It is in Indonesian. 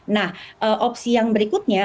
nah opsi yang berikutnya